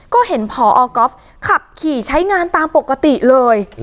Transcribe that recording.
ก็เห็นพอก๊อฟขับขี่ใช้งานตามปกติเลย